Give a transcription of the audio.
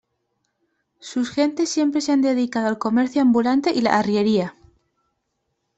Sus gentes siempre se han dedicado al comercio ambulante y la arriería.